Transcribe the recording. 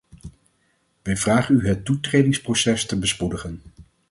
Wij vragen u het toetredingsproces te bespoedigen.